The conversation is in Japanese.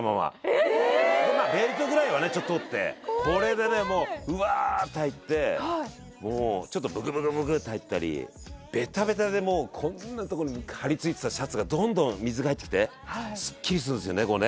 ベルトぐらいはね取って・怖い怖いこれでねもうウワーッて入ってもうちょっとブクブクブクって入ったりベタベタでもうこんなとこにも張りついてたシャツがどんどん水が入ってきて嘘！